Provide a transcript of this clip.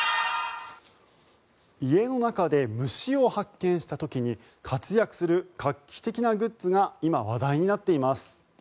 家の中で虫を発見した時に活躍する画期的なグッズが今、話題になっています。